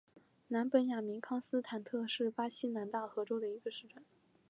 南本雅明康斯坦特是巴西南大河州的一个市镇。